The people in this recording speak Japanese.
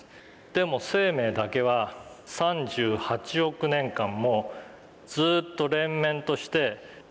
でも生命だけは３８億年間もずっと連綿として。